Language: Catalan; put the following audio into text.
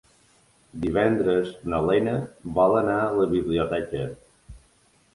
Divendres na Lena vol anar a la biblioteca.